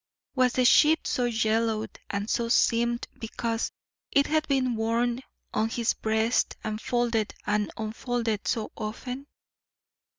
Was the sheet so yellowed and so seamed because it had been worn on his breast and folded and unfolded so often?